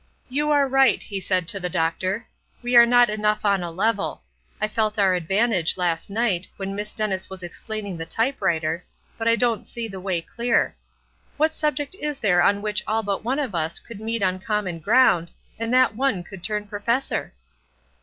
"You are right," he said to the doctor; "we are not enough on a level; I felt our advantage last night when Miss Dennis was explaining the type writer; but I don't see the way clear. What subject is there on which all but one of us could meet on common ground, and that one could turn professor?"